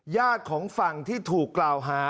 ญาติของฝั่งที่ถูกกล่าวหา